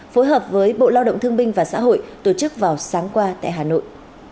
phối hợp với bộ lao động thương binh và xã hội tổ chức vào sáng qua tại hà nội